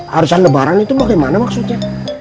harusan lebaran itu bagaimana maksudnya